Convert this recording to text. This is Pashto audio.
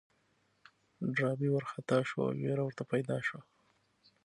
ډاربي وارخطا شو او وېره ورته پيدا شوه.